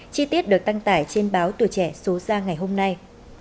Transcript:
chi tiết được tăng tải trên báo tuổi trẻ số xa ngày hôm nay